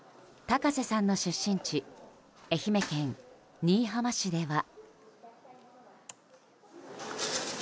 高瀬さんの出身地愛媛県新居浜市では。